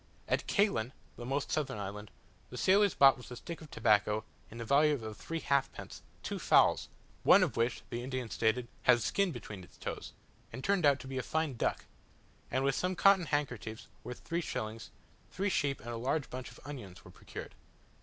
At Caylen, the most southern island, the sailors bought with a stick of tobacco, of the value of three halfpence, two fowls, one of which, the Indian stated, had skin between its toes, and turned out to be a fine duck; and with some cotton handkerchiefs, worth three shillings, three sheep and a large bunch of onions were procured.